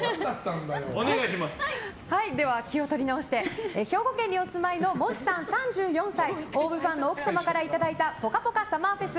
気を取り直して兵庫県にお住まいのもちさん、３４歳ＯＷＶファンの奥様からいただいたぽかぽかＳＵＭＭＥＲＦＥＳ